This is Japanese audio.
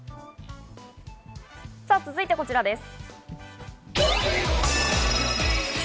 続いてこちらです。